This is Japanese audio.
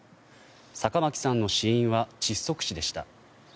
坂巻さんの死因は窒息死でした。